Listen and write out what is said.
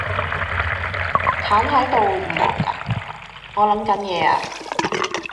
癱喺度唔忙㗎？我諗緊嘢呀